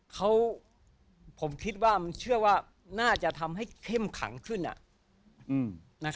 เขาผมคิดว่ามันเชื่อว่าน่าจะทำให้เข้มขังขึ้น